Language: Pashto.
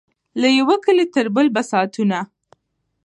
له یوه کلي تر بل به ساعتونه